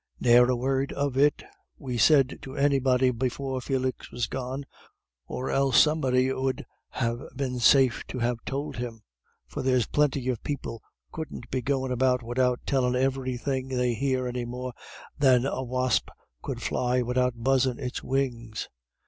"Ne'er a word of it we said to anybody before Felix was gone, or else somebody 'ud ha' been safe to ha' tould him, for there's plinty of people couldn't be goin' about widout tellin' everythin' they hear any more than a wasp could fly widout buzzin' its wings.